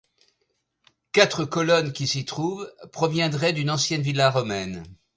Quatre colonnes qui s’y trouvent proviendraient d’une ancienne villa romaine.